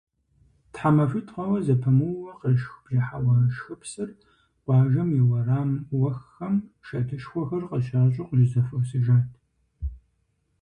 ТхьэмахуитӀ хъуауэ зэпымыууэ къешх бжьыхьэ уэшхыпсыр къуажэм и уэрам уэххэм шэдышхуэхэр къыщащӀу къыщызэхуэсыжат.